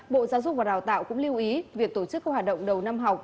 bộ giáo dục và đào tạo cũng lưu ý việc tổ chức các hoạt động đầu năm học